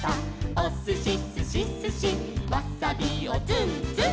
「おすしすしすしわさびをツンツン」